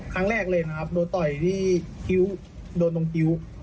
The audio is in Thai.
ครั้งแรกเลยนะครับโดนต่อยที่คิ้วโดนตรงคิ้ว